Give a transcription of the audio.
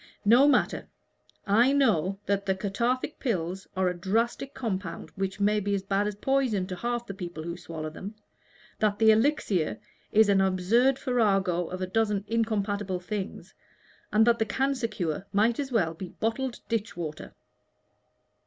No matter: I know that the Cathartic Pills are a drastic compound which may be as bad as poison to half the people who swallow them; that the Elixir is an absurd farrago of a dozen incompatible things; and that the Cancer Cure might as well be bottled ditch water."